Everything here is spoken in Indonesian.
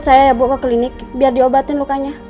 saya ya bu ke klinik biar diobatin lukanya